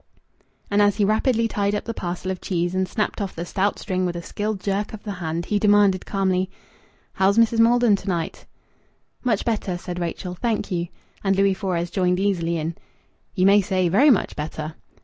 And as he rapidly tied up the parcel of cheese and snapped off the stout string with a skilled jerk of the hand, he demanded calmly "How's Mrs. Maldon to night?" "Much better," said Rachel, "thank you." And Louis Fores joined easily in "You may say, very much better."